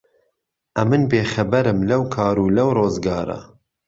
ئهمن بێ خهبهرم لهو کار و لهو ڕۆزگارە